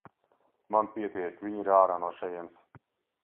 Man pietiek, viņa ir ārā no šejienes.